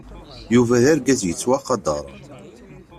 Yuba d argaz yettwaqadren.